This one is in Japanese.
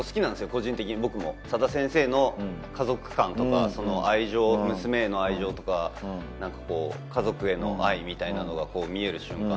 個人的に僕も佐田先生の家族観とかその愛情娘への愛情とか家族への愛みたいのが見える瞬間